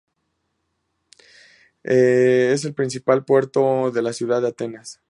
Es el principal puerto de la ciudad de Atenas.